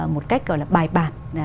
một cách gọi là bài bản